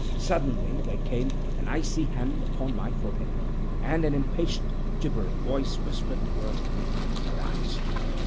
Suddenly there came an icy hand upon my forehead, and an impatient, gibbering voice whispered the word "Arise!"